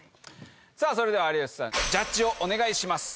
さあそれでは有吉さんジャッジをお願いします。